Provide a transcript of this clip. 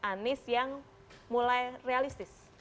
anis yang mulai realistis